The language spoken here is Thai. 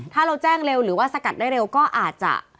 ถ้าเราแจ้งเร็วหรือว่าสกัดได้เร็วก็อาจจะ